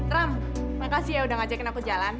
trump makasih ya udah ngajakin aku jalan